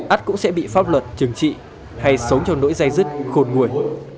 át cũng sẽ bị pháp luật trừng trị hay sống trong nỗi dây dứt khôn nguồi